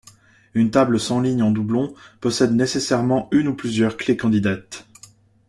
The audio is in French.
Une table sans lignes en doublon possède nécessairement une ou plusieurs clés candidates.